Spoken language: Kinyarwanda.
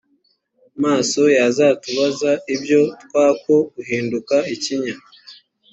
maso y uzatubaza ibyo twakouhinduka ikinya